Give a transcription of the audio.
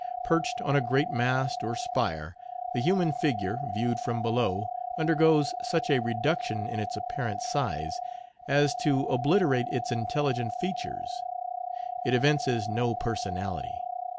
Perched on a great mast or spire, the human figure, viewed from below, undergoes such a reduction in its apparent size, as to obliterate its intelligent features. It evinces no personality.